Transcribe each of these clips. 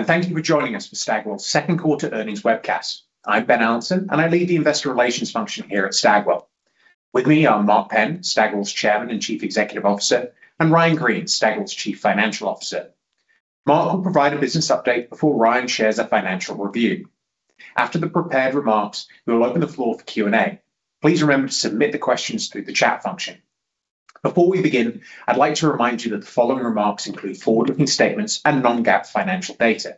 Good morning. Thank you for joining us for Stagwell's second quarter earnings webcast. I'm Ben Allanson, and I lead the investor relations function here at Stagwell. With me are Mark Penn, Stagwell's Chairman and Chief Executive Officer, and Ryan Greene, Stagwell's Chief Financial Officer. Mark will provide a business update before Ryan shares a financial review. After the prepared remarks, we will open the floor for Q&A. Please remember to submit the questions through the chat function. Before we begin, I'd like to remind you that the following remarks include forward-looking statements and non-GAAP financial data.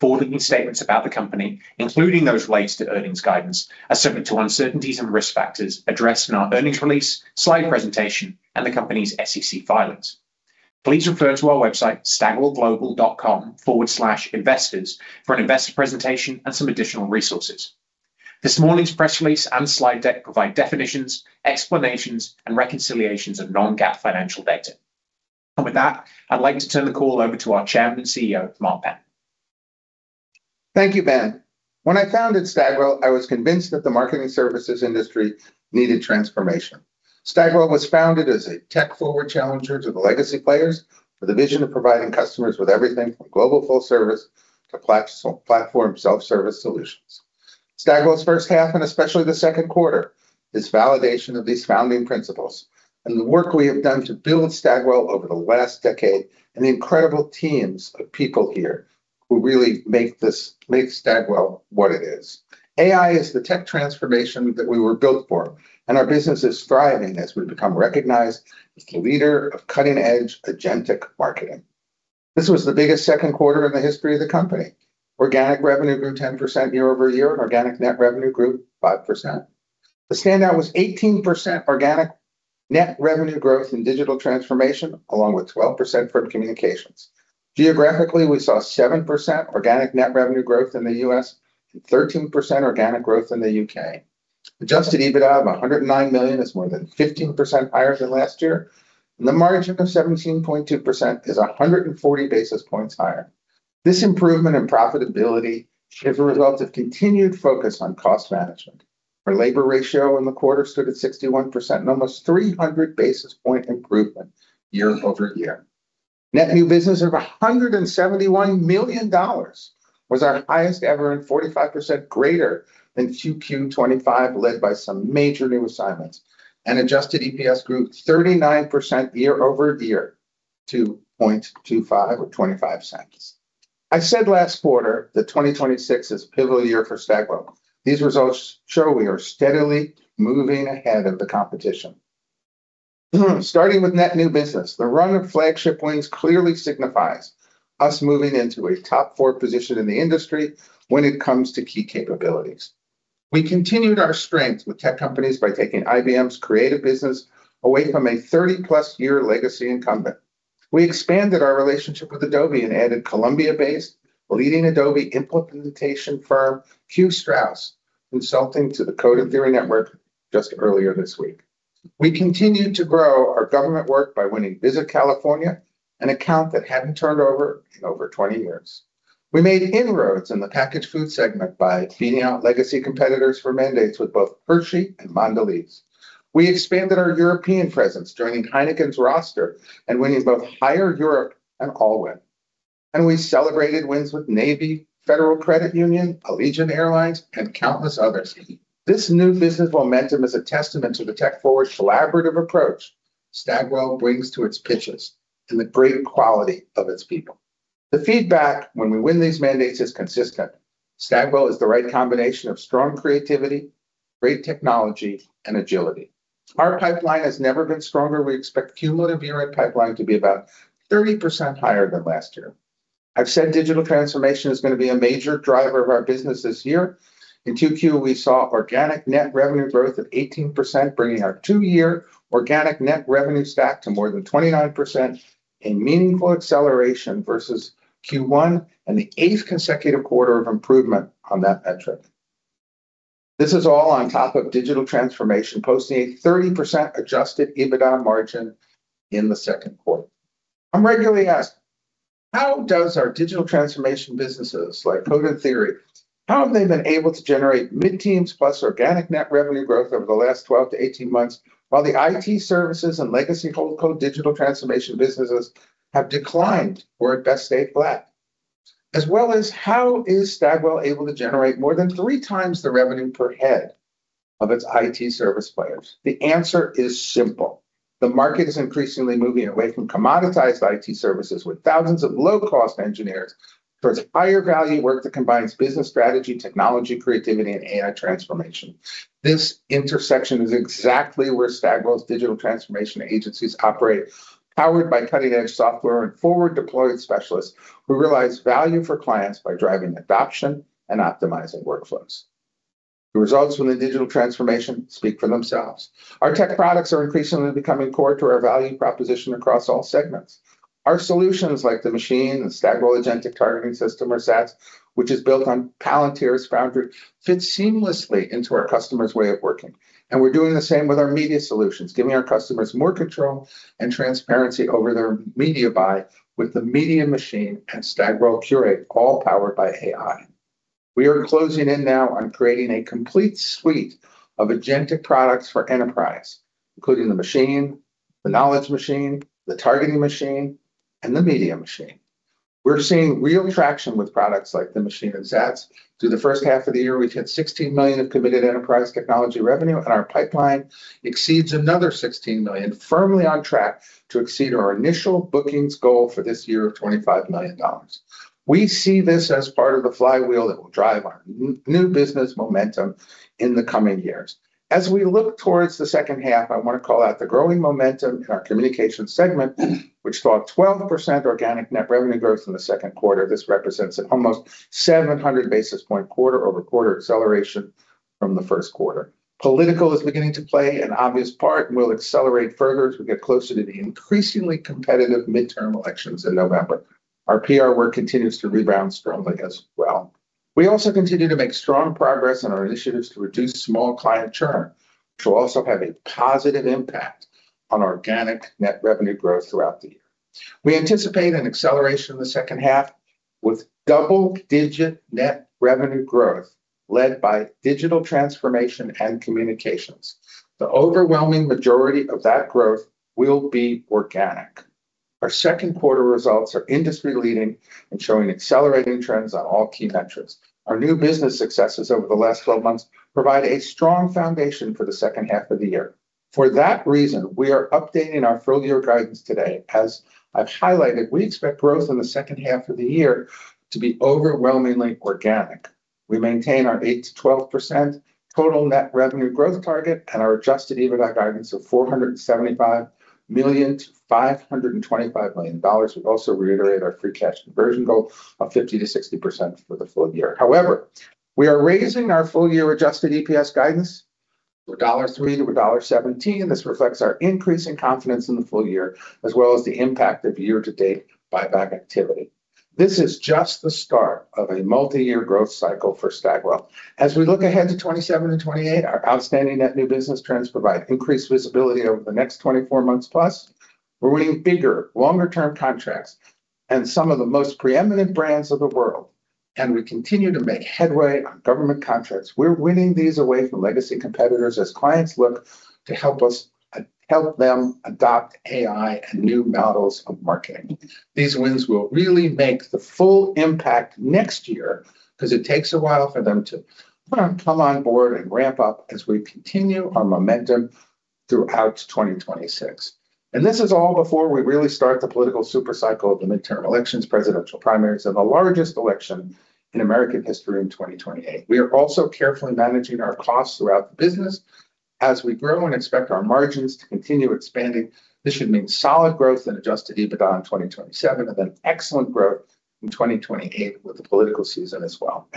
Forward-looking statements about the company, including those related to earnings guidance, are subject to uncertainties and risk factors addressed in our earnings release, slide presentation, and the company's SEC filings. Please refer to our website, stagwellglobal.com/investors, for an investor presentation and some additional resources. This morning's press release and slide deck provide definitions, explanations, and reconciliations of non-GAAP financial data. With that, I'd like to turn the call over to our Chairman and Chief Executive Officer, Mark Penn. Thank you, Ben. When I founded Stagwell, I was convinced that the marketing services industry needed transformation. Stagwell was founded as a tech-forward challenger to the legacy players, with a vision of providing customers with everything from global full service to platform self-service solutions. Stagwell's first half, and especially the second quarter, is validation of these founding principles and the work we have done to build Stagwell over the last decade, and the incredible teams of people here who really make Stagwell what it is. AI is the tech transformation that we were built for, and our business is thriving as we become recognized as the leader of cutting-edge agentic marketing. This was the biggest second quarter in the history of the company. Organic revenue grew 10% year-over-year, and organic net revenue grew 5%. The standout was 18% organic net revenue growth in digital transformation, along with 12% from communications. Geographically, we saw 7% organic net revenue growth in the U.S. and 13% organic growth in the U.K. Adjusted EBITDA of $109 million is more than 15% higher than last year, and the margin of 17.2% is 140 basis points higher. This improvement in profitability is a result of continued focus on cost management. Our labor ratio in the quarter stood at 61%, an almost 300 basis point improvement year-over-year. Net new business of $171 million was our highest ever, and 45% greater than Q2 2025, led by some major new assignments. Adjusted EPS grew 39% year-over-year to $0.25 or $0.25. I said last quarter that 2026 is a pivotal year for Stagwell. These results show we are steadily moving ahead of the competition. Starting with net new business, the run of flagship wins clearly signifies us moving into a top four position in the industry when it comes to key capabilities. We continued our strength with tech companies by taking IBM's creative business away from a 30-plus year legacy incumbent. We expanded our relationship with Adobe and added Colombia-based leading Adobe implementation firm QStrauss Consulting to the Code and Theory network just earlier this week. We continued to grow our government work by winning Visit California, an account that hadn't turned over in over 20 years. We made inroads in the packaged food segment by beating out legacy competitors for mandates with both Hershey and Mondelez. We expanded our European presence, joining Heineken's roster and winning both Haier Europe and Alwyn. We celebrated wins with Navy Federal Credit Union, Allegiant Air, and countless others. This new business momentum is a testament to the tech-forward collaborative approach Stagwell brings to its pitches and the great quality of its people. The feedback when we win these mandates is consistent. Stagwell is the right combination of strong creativity, great technology, and agility. Our pipeline has never been stronger. We expect cumulative year-end pipeline to be about 30% higher than last year. I've said digital transformation is going to be a major driver of our business this year. In 2Q, we saw organic net revenue growth of 18%, bringing our two-year organic net revenue stack to more than 29%, a meaningful acceleration versus Q1 and the eighth consecutive quarter of improvement on that metric. This is all on top of digital transformation posting a 30% adjusted EBITDA margin in the second quarter. I'm regularly asked, how does our digital transformation businesses like Code and Theory, how have they been able to generate mid-teens plus organic net revenue growth over the last 12-18 months, while the IT services and legacy holdco digital transformation businesses have declined or at best stayed flat? As well as how is Stagwell able to generate more than 3x the revenue per head of its IT service players? The answer is simple. The market is increasingly moving away from commoditized IT services with thousands of low-cost engineers towards higher-value work that combines business strategy, technology, creativity, and AI transformation. This intersection is exactly where Stagwell's digital transformation agencies operate, powered by cutting-edge software and forward-deployed specialists who realize value for clients by driving adoption and optimizing workflows. The results from the digital transformation speak for themselves. Our tech products are increasingly becoming core to our value proposition across all segments. Our solutions, like The Machine and Stagwell Agentic Targeting System, or SATS, which is built on Palantir's Foundry, fit seamlessly into our customers' way of working. We're doing the same with our media solutions, giving our customers more control and transparency over their media buy with The Media Machine and Stagwell Curate, all powered by AI. We are closing in now on creating a complete suite of agentic products for enterprise, including The Machine, the Knowledge Machine, the Targeting Machine, and The Media Machine. We're seeing real traction with products like The Machine and SATS. Through the first half of the year, we've hit $16 million of committed enterprise technology revenue, and our pipeline exceeds another $16 million, firmly on track to exceed our initial bookings goal for this year of $25 million. We see this as part of the flywheel that will drive our new business momentum in the coming years. As we look towards the second half, I want to call out the growing momentum in our communication segment, which saw 12% organic net revenue growth in the second quarter. This represents an almost 700 basis point quarter-over-quarter acceleration from the first quarter. Political is beginning to play an obvious part and will accelerate further as we get closer to the increasingly competitive midterm elections in November. Our PR work continues to rebound strongly as well. We also continue to make strong progress on our initiatives to reduce small client churn, which will also have a positive impact on organic net revenue growth throughout the year. We anticipate an acceleration in the second half with double-digit net revenue growth led by digital transformation and communications. The overwhelming majority of that growth will be organic. Our second quarter results are industry leading and showing accelerating trends on all key metrics. Our new business successes over the last 12 months provide a strong foundation for the second half of the year. For that reason, we are updating our full-year guidance today. As I've highlighted, we expect growth in the second half of the year to be overwhelmingly organic. We maintain our 8%-12% total net revenue growth target and our adjusted EBITDA guidance of $475 million-$525 million. We also reiterate our free cash conversion goal of 50%-60% for the full year. However, we are raising our full-year adjusted EPS guidance for $1.03-$1.17. This reflects our increasing confidence in the full year as well as the impact of year-to-date buyback activity. This is just the start of a multiyear growth cycle for Stagwell. As we look ahead to 2027 and 2028, our outstanding net new business trends provide increased visibility over the next 24 months plus. We're winning bigger, longer term contracts and some of the most preeminent brands of the world, and we continue to make headway on government contracts. We're winning these away from legacy competitors as clients look to help them adopt AI and new models of marketing. These wins will really make the full impact next year because it takes a while for them to come on board and ramp up as we continue our momentum throughout 2026. This is all before we really start the political super cycle of the midterm elections, presidential primaries, and the largest election in American history in 2028. We are also carefully managing our costs throughout the business as we grow and expect our margins to continue expanding. This should mean solid growth and adjusted EBITDA in 2027 and then excellent growth in 2028 with the political season as well.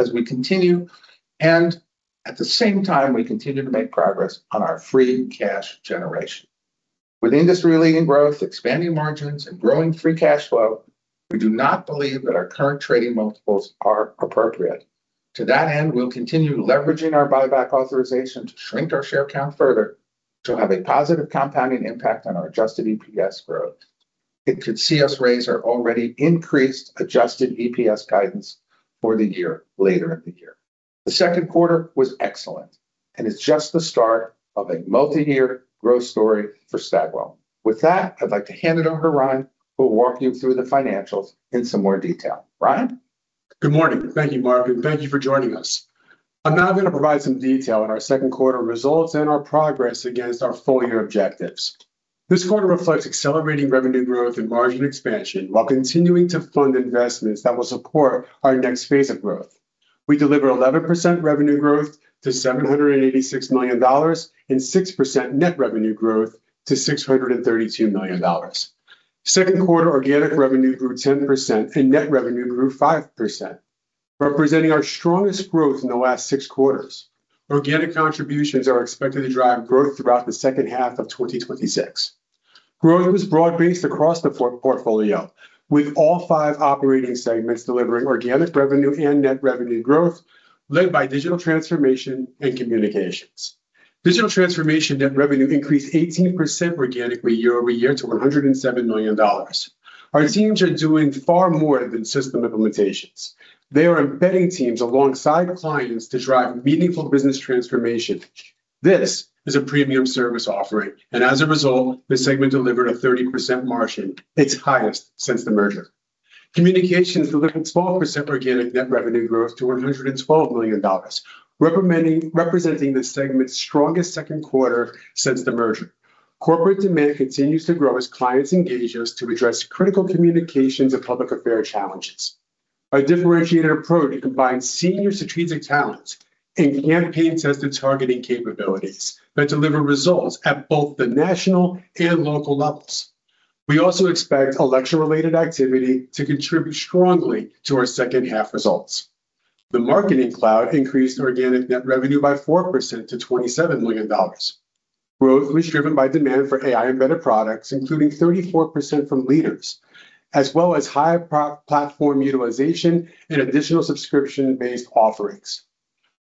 At the same time, we continue to make progress on our free cash generation. With industry-leading growth, expanding margins, and growing free cash flow, we do not believe that our current trading multiples are appropriate. To that end, we'll continue leveraging our buyback authorization to shrink our share count further to have a positive compounding impact on our adjusted EPS growth. It could see us raise our already increased adjusted EPS guidance for the year, later in the year. The second quarter was excellent and is just the start of a multiyear growth story for Stagwell. With that, I'd like to hand it over to Ryan, who will walk you through the financials in some more detail. Ryan? Good morning. Thank you, Mark, thank you for joining us. I'm now going to provide some detail on our second quarter results and our progress against our full-year objectives. This quarter reflects accelerating revenue growth and margin expansion while continuing to fund investments that will support our next phase of growth. We delivered 11% revenue growth to $786 million and 6% net revenue growth to $632 million. Second quarter organic revenue grew 10% and net revenue grew 5%, representing our strongest growth in the last six quarters. Organic contributions are expected to drive growth throughout the second half of 2026. Growth was broad-based across the portfolio, with all five operating segments delivering organic revenue and net revenue growth led by Digital Transformation and Communications. Digital Transformation net revenue increased 18% organically year-over-year to $107 million. Our teams are doing far more than system implementations. They are embedding teams alongside clients to drive meaningful business transformation. This is a premium service offering, and as a result, this segment delivered a 30% margin, its highest since the merger. Communications delivered 12% organic net revenue growth to $112 million, representing the segment's strongest second quarter since the merger. Corporate demand continues to grow as clients engage us to address critical communications and public affairs challenges. Our differentiated approach combines senior strategic talent and campaign tested targeting capabilities that deliver results at both the national and local levels. We also expect election-related activity to contribute strongly to our second half results. The Marketing Cloud increased organic net revenue by 4% to $27 million. Growth was driven by demand for AI-embedded products, including 34% from LEADERS, as well as high platform utilization and additional subscription-based offerings.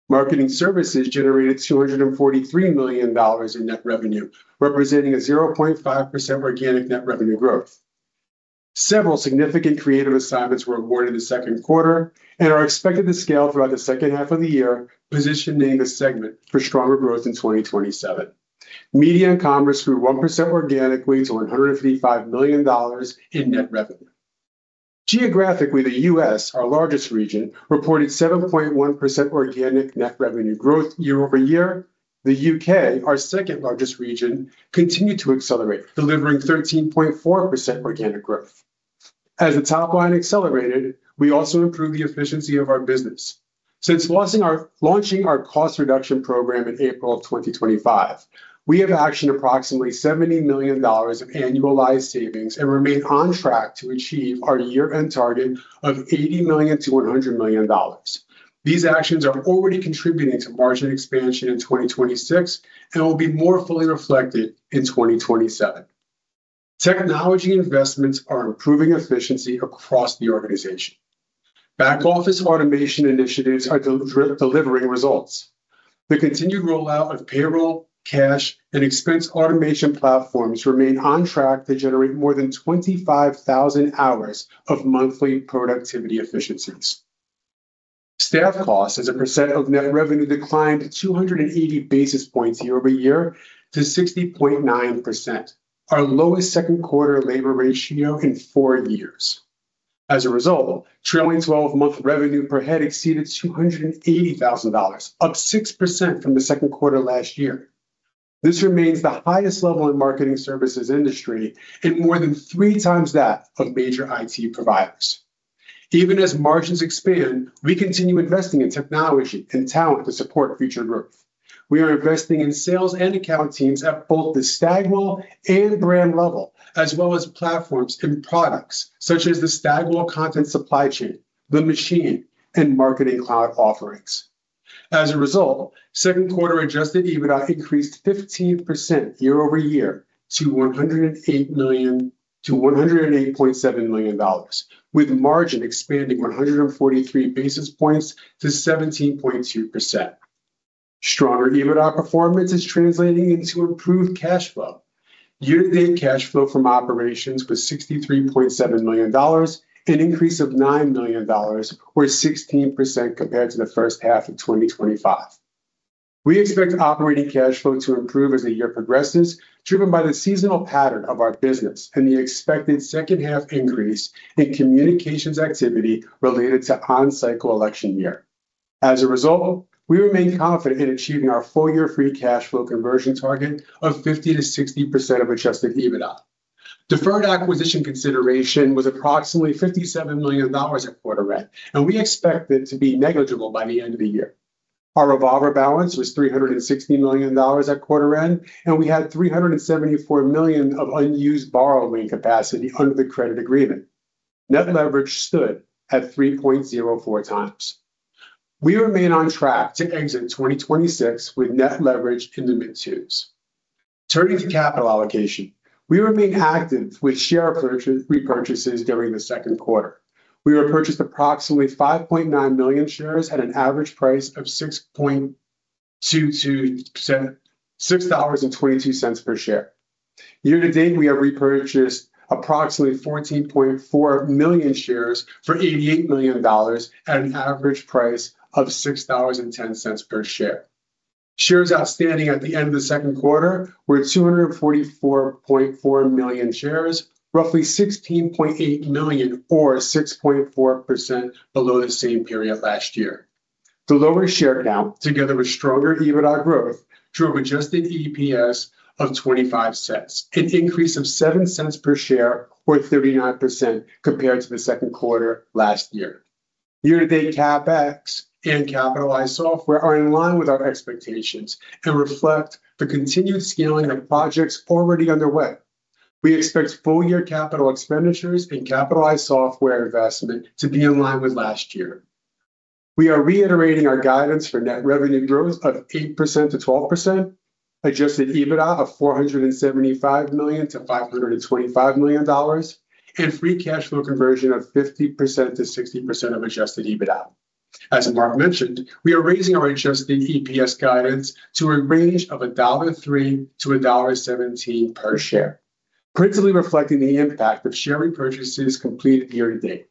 Marketing Services generated $243 million in net revenue, representing a 0.5% organic net revenue growth. Several significant creative assignments were awarded in the second quarter and are expected to scale throughout the second half of the year, positioning the segment for stronger growth in 2027. Media and Commerce grew 1% organically to $155 million in net revenue. Geographically, the U.S., our largest region, reported 7.1% organic net revenue growth year-over-year. The U.K., our second largest region, continued to accelerate, delivering 13.4% organic growth. As the top line accelerated, we also improved the efficiency of our business. Since launching our cost reduction program in April of 2025, we have actioned approximately $70 million of annualized savings and remain on track to achieve our year-end target of $80 million-$100 million. These actions are already contributing to margin expansion in 2026 and will be more fully reflected in 2027. Technology investments are improving efficiency across the organization. Back office automation initiatives are delivering results. The continued rollout of payroll, cash, and expense automation platforms remain on track to generate more than 25,000 hours of monthly productivity efficiencies. Staff costs as a percent of net revenue declined 280 basis points year-over-year to 60.9%, our lowest second quarter labor ratio in four years. Trailing 12-month revenue per head exceeded $280,000, up 6% from the second quarter last year. This remains the highest level in marketing services industry and more than three times that of major IT providers. Even as margins expand, we continue investing in technology and talent to support future growth. We are investing in sales and account teams at both the Stagwell and brand level, as well as platforms and products such as the Stagwell Content Supply Chain, The Machine, and Marketing Cloud offerings. Second quarter adjusted EBITDA increased 15% year-over-year to $108.7 million, with margin expanding 143 basis points to 17.2%. Stronger EBITDA performance is translating into improved cash flow. Year-to-date cash flow from operations was $63.7 million, an increase of $9 million, or 16% compared to the first half of 2025. We expect operating cash flow to improve as the year progresses, driven by the seasonal pattern of our business and the expected second half increase in communications activity related to on-cycle election year. We remain confident in achieving our full-year free cash flow conversion target of 50%-60% of adjusted EBITDA. Deferred acquisition consideration was approximately $57 million at quarter end, and we expect it to be negligible by the end of the year. Our revolver balance was $360 million at quarter end, and we had $374 million of unused borrowing capacity under the credit agreement. Net leverage stood at 3.04x. We remain on track to exit 2026 with net leverage in the mid-twos. Turning to capital allocation, we remain active with share repurchases during the second quarter. We repurchased approximately 5.9 million shares at an average price of $6.22 per share. Year-to-date, we have repurchased approximately 14.4 million shares for $88 million at an average price of $6.10 per share. Shares outstanding at the end of the second quarter were 244.4 million shares, roughly 16.8 million or 6.4% below the same period last year. The lower share count, together with stronger EBITDA growth, drove adjusted EPS of $0.25, an increase of $0.07 per share or 39% compared to the second quarter last year. Year-to-date CapEx and capitalized software are in line with our expectations and reflect the continued scaling of projects already underway. We expect full-year capital expenditures and capitalized software investment to be in line with last year. We are reiterating our guidance for net revenue growth of 8%-12%, adjusted EBITDA of $475 million-$525 million, and free cash flow conversion of 50%-60% of adjusted EBITDA. As Mark mentioned, we are raising our adjusted EPS guidance to a range of $1.03-$1.17 per share, principally reflecting the impact of share repurchases completed year-to-date.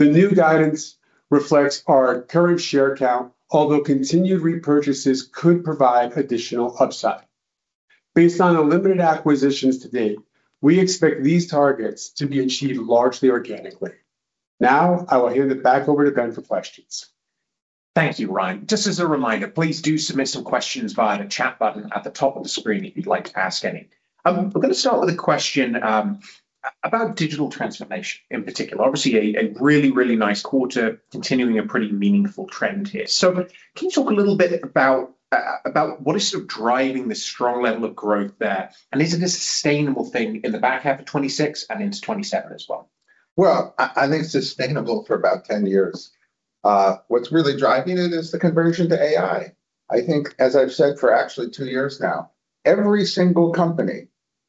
The new guidance reflects our current share count, although continued repurchases could provide additional upside. Based on the limited acquisitions to date, we expect these targets to be achieved largely organically. I will hand it back over to Ben for questions. Thank you, Ryan. Just as a reminder, please do submit some questions via the chat button at the top of the screen if you'd like to ask any. I'm going to start with a question about digital transformation in particular. Obviously a really, really nice quarter, continuing a pretty meaningful trend here. Can you talk a little bit about what is sort of driving this strong level of growth there, and is it a sustainable thing in the back half of 2026 and into 2027 as well? Well, I think it's sustainable for about 10 years. What's really driving it is the conversion to AI. I think, as I've said for actually two years now, every single company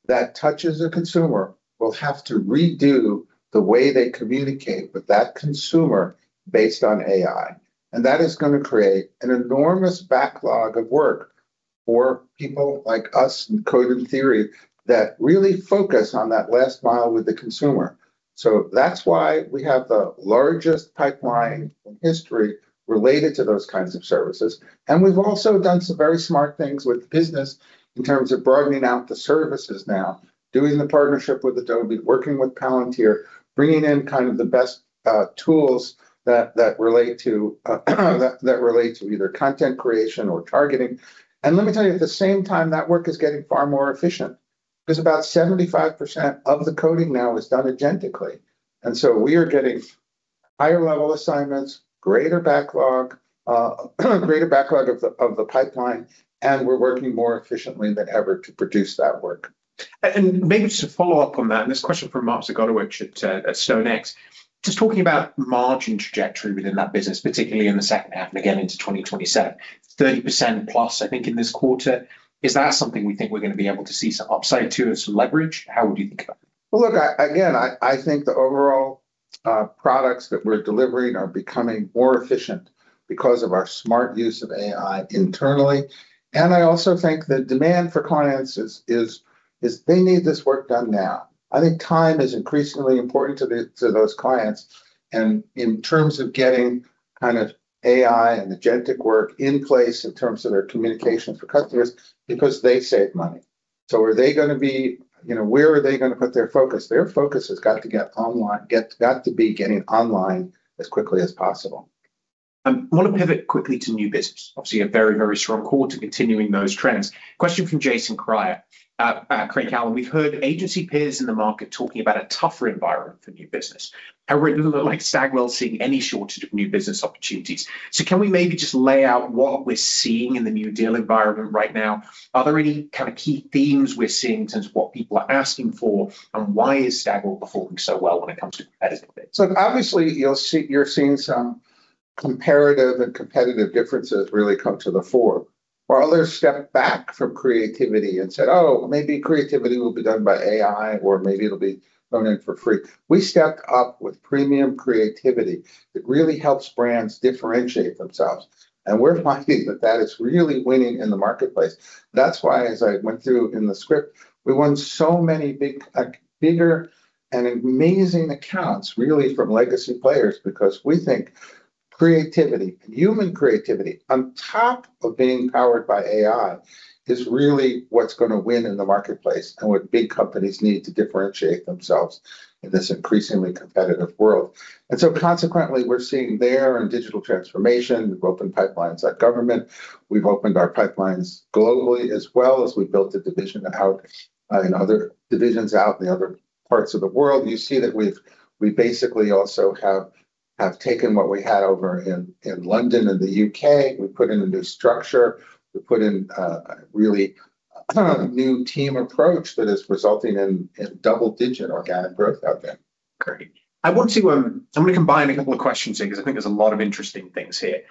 that touches a consumer will have to redo the way they communicate with that consumer based on AI. That is going to create an enormous backlog of work or people like us in Code and Theory that really focus on that last mile with the consumer. That's why we have the largest pipeline in history related to those kinds of services. We've also done some very smart things with business in terms of broadening out the services now, doing the partnership with Adobe, working with Palantir, bringing in the best tools that relate to either content creation or targeting. Let me tell you, at the same time, that work is getting far more efficient, because about 75% of the coding now is done agentically. We are getting higher-level assignments, greater backlog of the pipeline, and we're working more efficiently than ever to produce that work. Maybe just to follow up on that, and this is a question from Mark Zgutowicz at [Benchmark]. Just talking about margin trajectory within that business, particularly in the second half and again into 2027. 30%+ I think, in this quarter. Is that something we think we're going to be able to see some upside to and some leverage? How would you think about that? Well, look, again, I think the overall products that we're delivering are becoming more efficient because of our smart use of AI internally. I also think the demand for clients is they need this work done now. I think time is increasingly important to those clients and in terms of getting AI and agentic work in place in terms of their communication for customers, because they save money. Where are they going to put their focus? Their focus has got to be getting online as quickly as possible. I want to pivot quickly to new business. Obviously, a very, very strong quarter, continuing those trends. Question from Jason Kreyer at Craig-Hallum, we've heard agency peers in the market talking about a tougher environment for new business. However, it doesn't look like Stagwell's seeing any shortage of new business opportunities. Can we maybe just lay out what we're seeing in the new deal environment right now? Are there any key themes we're seeing in terms of what people are asking for, and why is Stagwell performing so well when it comes to competitive bids? Obviously you're seeing some comparative and competitive differences really come to the fore. While others stepped back from creativity and said, "Oh, maybe creativity will be done by AI, or maybe it'll be done in for free." We stepped up with premium creativity that really helps brands differentiate themselves. We're finding that that is really winning in the marketplace. That's why, as I went through in the script, we won so many bigger and amazing accounts, really from legacy players, because we think creativity and human creativity on top of being powered by AI is really what's going to win in the marketplace, and what big companies need to differentiate themselves in this increasingly competitive world. Consequently, we're seeing there in digital transformation, we've opened pipelines at government, we've opened our pipelines globally as well as we built a division out in other divisions out in the other parts of the world. You see that we basically also have taken what we had over in London and the U.K., we put in a new structure. We put in a really new team approach that is resulting in double-digit organic growth out there. Great. I want to combine a couple of questions here because I think there's a lot of interesting things here.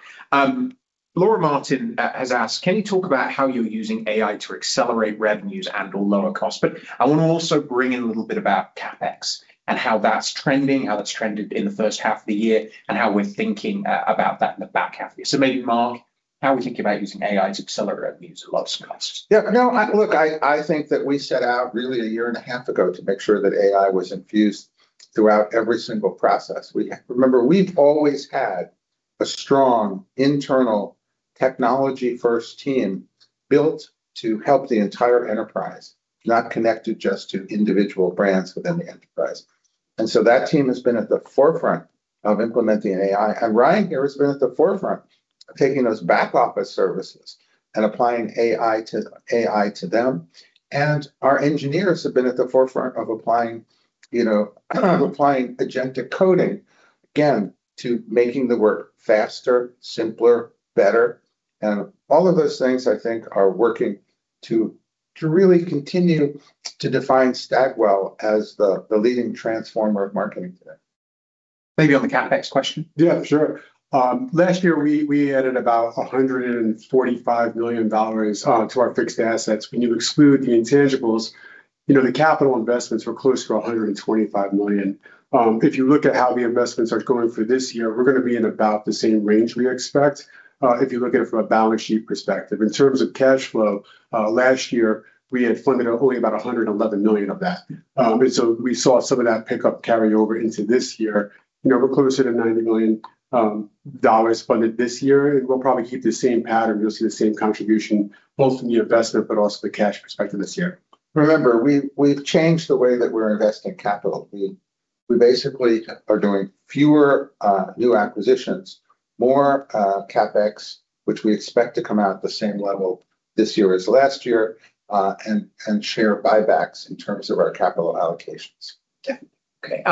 Laura Martin has asked, can you talk about how you're using AI to accelerate revenues and/or lower costs? I want to also bring in a little bit about CapEx and how that's trending, how that's trended in the first half of the year, and how we're thinking about that in the back half of the year. Maybe Mark, how are we thinking about using AI to accelerate revenues and lower costs? Yeah. No, look, I think that we set out really a year and a half ago to make sure that AI was infused throughout every single process. Remember, we've always had a strong internal technology-first team built to help the entire enterprise, not connected just to individual brands within the enterprise. That team has been at the forefront of implementing AI. Ryan here has been at the forefront of taking those back-office services and applying AI to them. Our engineers have been at the forefront of applying agentic coding, again, to making the work faster, simpler, better. All of those things, I think, are working to really continue to define Stagwell as the leading transformer of marketing today. Maybe on the CapEx question. Yeah, sure. Last year, we added about $145 million to our fixed assets. When you exclude the intangibles, the capital investments were close to $125 million. If you look at how the investments are going for this year, we're going to be in about the same range we expect, if you look at it from a balance sheet perspective. In terms of cash flow, last year, we had funded only about $111 million of that. We saw some of that pickup carry over into this year. We're closer to $90 million funded this year, and we'll probably keep the same pattern. You'll see the same contribution both from the investment but also the cash perspective this year. Remember, we've changed the way that we're investing capital. We basically are doing fewer new acquisitions, more CapEx, which we expect to come out at the same level this year as last year, and share buybacks in terms of our capital allocations. Okay.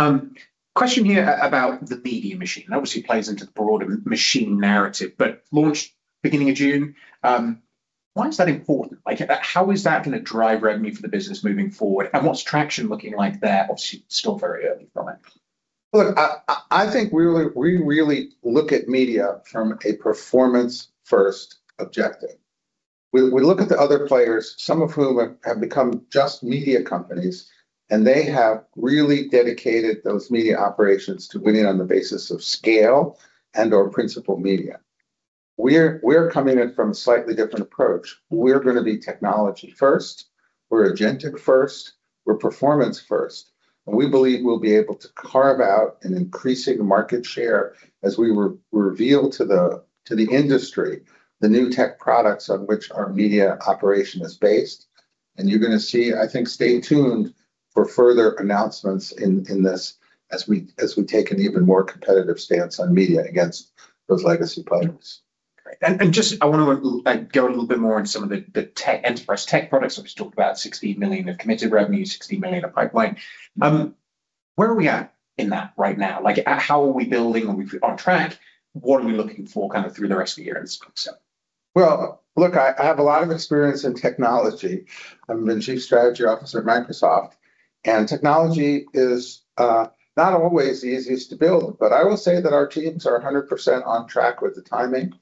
Question here about The Media Machine. Obviously plays into the broader The Machine narrative. Launched beginning of June. Why is that important? How is that going to drive revenue for the business moving forward, what's traction looking like there? Obviously, it's still very early for it. Look, I think we really look at media from a performance-first objective. We look at the other players, some of whom have become just media companies, and they have really dedicated those media operations to winning on the basis of scale and/or principal media. We're coming in from a slightly different approach. We're going to be technology first. We're agentic first. We're performance first. We believe we'll be able to carve out an increasing market share as we reveal to the industry the new tech products on which our media operation is based, you're going to see, I think, stay tuned for further announcements in this as we take an even more competitive stance on media against those legacy players. Great. Just, I want to go a little bit more into some of the enterprise tech products, obviously you talked about $16 million of committed revenue, $16 million of pipeline. Where are we at in that right now? Like, how are we building? Are we on track? What are we looking for kind of through the rest of the year and so on and so forth? Well, look, I have a lot of experience in technology. I've been Chief Strategy Officer at Microsoft. Technology is not always the easiest to build, but I will say that our teams are 100% on track with the timing.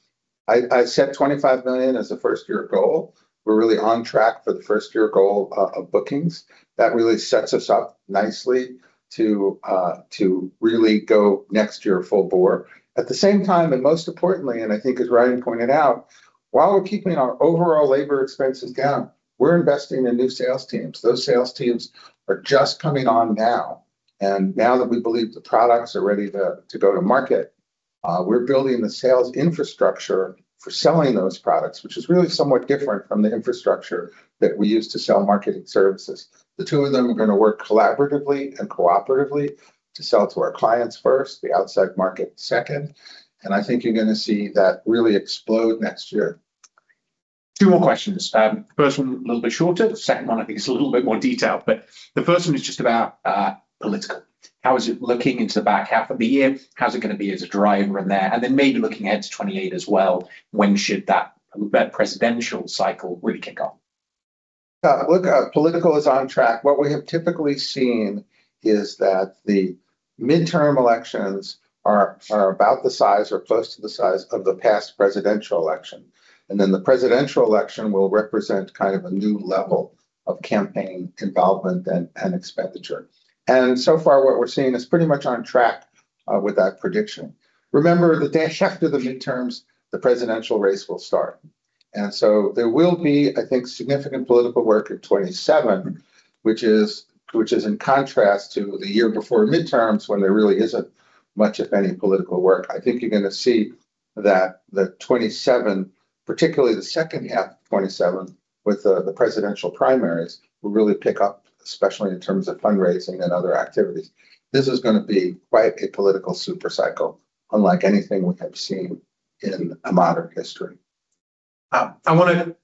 I set $25 million as a first-year goal. We're really on track for the first-year goal of bookings. That really sets us up nicely to really go next year full bore. At the same time, and most importantly, and I think as Ryan pointed out, while we're keeping our overall labor expenses down, we're investing in new sales teams. Those sales teams are just coming on now. Now that we believe the products are ready to go to market, we're building the sales infrastructure for selling those products, which is really somewhat different from the infrastructure that we use to sell marketing services. The two of them are going to work collaboratively and cooperatively to sell to our clients first, the outside market second, and I think you're going to see that really explode next year. Two more questions. First one, a little bit shorter. The second one I think is a little bit more detailed, but the first one is just about political. How is it looking into the back half of the year? How's it going to be as a driver in there? Maybe looking ahead to 2028 as well, when should that presidential cycle really kick off? Look, political is on track. What we have typically seen is that the midterm elections are about the size or close to the size of the past presidential election. The presidential election will represent kind of a new level of campaign involvement and expenditure. So far what we're seeing is pretty much on track with that prediction. Remember, the day after the midterms, the presidential race will start. So there will be, I think, significant political work in 2027, which is in contrast to the year before midterms when there really isn't much, if any, political work. I think you're going to see that 2027, particularly the second half of 2027 with the presidential primaries, will really pick up, especially in terms of fundraising and other activities. This is going to be quite a political super cycle, unlike anything we have seen in a modern history. I want to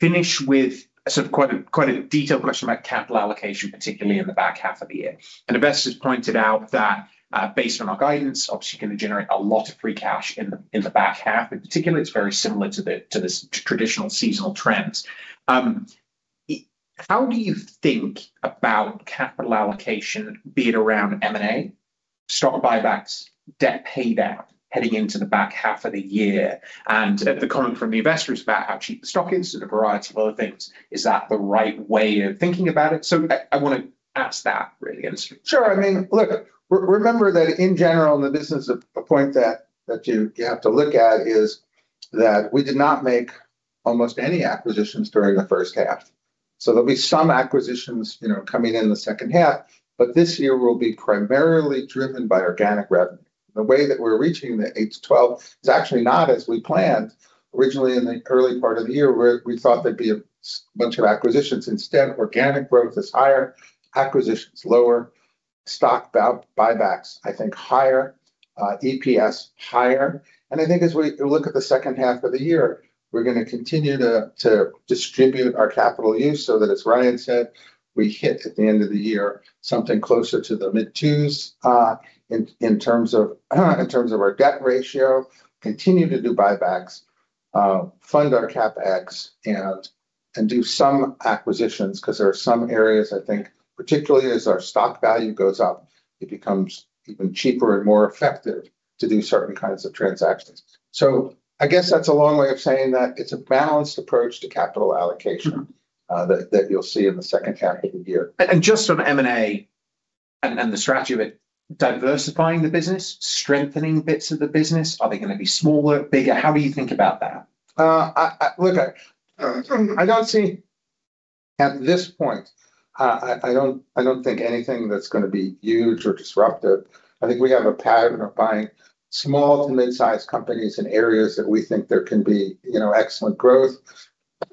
finish with sort of quite a detailed question about capital allocation, particularly in the back half of the year. An investor's pointed out that, based on our guidance, obviously you're going to generate a lot of free cash in the back half. In particular, it's very similar to this traditional seasonal trends. How do you think about capital allocation, be it around M&A, stock buybacks, debt pay down, heading into the back half of the year? The comment from the investor is about how cheap the stock is and a variety of other things. Is that the right way of thinking about it? I want to ask that really. Sure. I mean, look, remember that in general in the business, a point that you have to look at is that we did not make almost any acquisitions during the first half. There'll be some acquisitions coming in the second half, but this year will be primarily driven by organic revenue. The way that we're reaching the H2 is actually not as we planned originally in the early part of the year, where we thought there'd be a bunch of acquisitions. Organic growth is higher, acquisitions lower, stock buybacks, I think higher, EPS higher. I think as we look at the second half of the year, we're going to continue to distribute our capital use so that, as Ryan said, we hit at the end of the year something closer to the mid twos in terms of our debt ratio, continue to do buybacks, fund our CapEx, and do some acquisitions, because there are some areas I think, particularly as our stock value goes up, it becomes even cheaper and more effective to do certain kinds of transactions. I guess that's a long way of saying that it's a balanced approach to capital allocation that you'll see in the second half of the year. Just on M&A and the strategy of it, diversifying the business, strengthening bits of the business, are they going to be smaller, bigger? How do you think about that? Look, I don't see at this point, I don't think anything that's going to be huge or disruptive. I think we have a pattern of buying small to mid-size companies in areas that we think there can be excellent growth,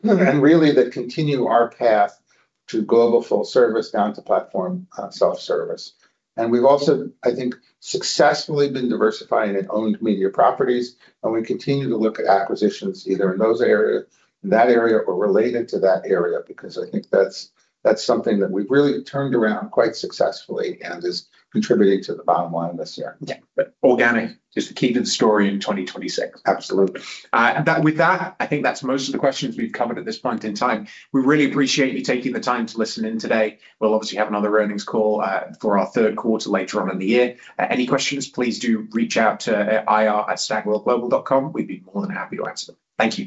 and really that continue our path to global full service down to platform self-service. We've also, I think, successfully been diversifying in owned media properties, and we continue to look at acquisitions either in that area or related to that area, because I think that's something that we've really turned around quite successfully and is contributing to the bottom line this year. Yeah. Organic is the key to the story in 2026. Absolutely. With that, I think that's most of the questions we've covered at this point in time. We really appreciate you taking the time to listen in today. We'll obviously have another earnings call for our third quarter later on in the year. Any questions, please do reach out to ir@stagwellglobal.com. We'd be more than happy to answer them. Thank you